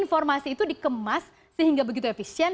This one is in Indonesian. informasi itu dikemas sehingga begitu efisien